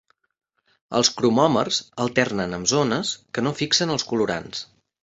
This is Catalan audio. Els cromòmers alternen amb zones que no fixen els colorants.